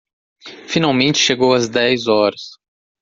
Finalmente chegou às dez horas